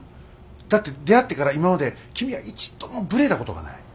だって出会ってから今まで君は一度もブレたことがない。